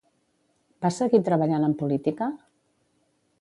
Va seguir treballant en política?